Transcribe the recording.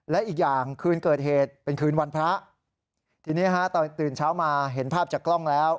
และอีกอย่างคืนเกิดเหตุเป็นคืนวันพระทีนี้ฮะตอนตื่นเช้ามาเห็นภาพจากกล้องแล้ว